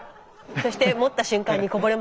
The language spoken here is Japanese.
そして持った瞬間にこぼれますよね。